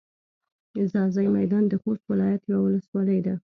ځاځي میدان د خوست ولایت یوه ولسوالي ده.